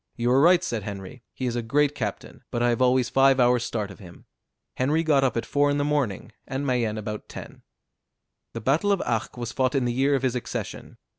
"You are right," said Henry, "he is a great captain, but I have always five hours' start of him." Henry got up at four in the morning, and Mayenne about ten. The battle of Arques was fought in the year of his accession.